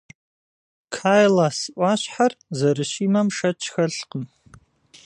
Кайлас ӏуащхьэр зэрыщимэм шэч хэлъкъым.